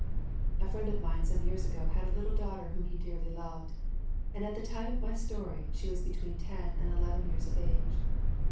A friend of mine some years ago had a little daughter whom he dearly loved, and at the time of my story, she was between ten and eleven years of age.